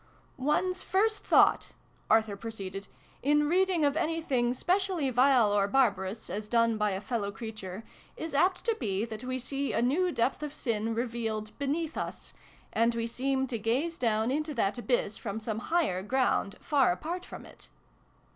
" One's first thought," Arthur proceeded, <: in reading of anything specially vile or barbarous, as done by a fellow creature, is apt to be that we see a new depth of Sin revealed beneath us : and we seem to gaze down into that abyss from some higher ground, far apart from it."